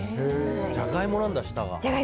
ジャガイモなんだ、下が。